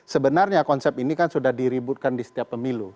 sebenarnya konsep ini kan sudah diributkan di setiap pemilu